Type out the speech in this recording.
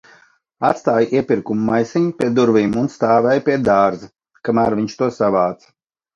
Atstāju iepirkuma maisiņu pie durvīm un stāvēju pie dārza, kamēr viņš to savāca.